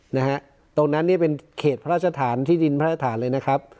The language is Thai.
นะฮะตรงนั้นเนี่ยเป็นเขตพระราชฐานที่ดินพระราชฐานเลยนะครับ